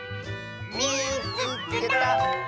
「みいつけた」！